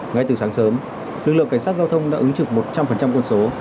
ngay từ sáng sớm lực lượng cảnh sát giao thông đã ứng trực một trăm linh quân số